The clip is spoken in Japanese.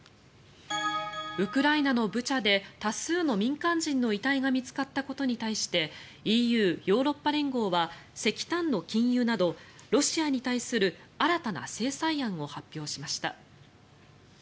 ウクライナのブチャで多数の民間人の遺体が見つかったことに対してＥＵ・ヨーロッパ連合は石炭の禁輸などロシアに対する新たな制裁案を発表しました。